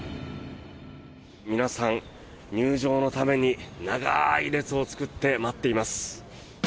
皆さん、入場のために長い列を作って待っています。